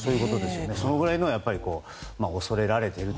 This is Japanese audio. そのぐらい恐れられていると。